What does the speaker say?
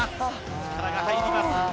力が入ります。